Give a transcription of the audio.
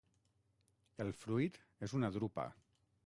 El fruit és una drupa.